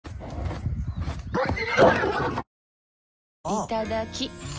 いただきっ！